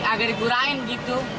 agak dikurangin gitu